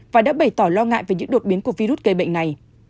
và đã bày tỏ lo ngại về những đột biến của virus gây bệnh này